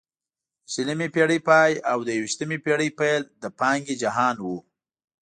د شلمې پېړۍ پای او د یوویشتمې پېړۍ پیل د پانګې جهان وو.